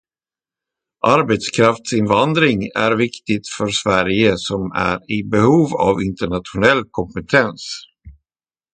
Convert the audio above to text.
Arbetskraftsinvandring är viktigt för Sverige som är i behov av internationell kompetens.